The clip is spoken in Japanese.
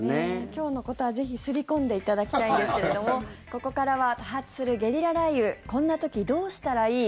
今日のことは、ぜひ刷り込んでいただきたいんですけれどもここからは多発するゲリラ雷雨こんな時どうしたらいい？